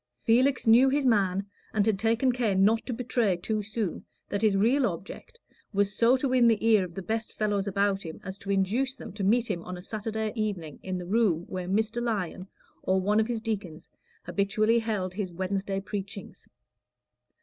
Felix knew his man, and had taken care not to betray too soon that his real object was so to win the ear of the best fellows about him as to induce them to meet him on a Saturday evening in the room where Mr. Lyon, or one of his deacons, habitually held his Wednesday preachings.